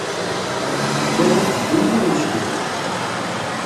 Llan la ttebbin yiwen n useklu.